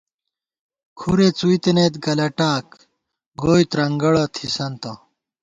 کُھرے څُوئی تنئیت گلہ ٹاک، گوئے ترنگڑہ تھِسنتہ